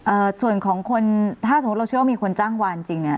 เอ่อส่วนของคนถ้าสมมติเราเชื่อว่ามีคนจ้างวันจริงนะ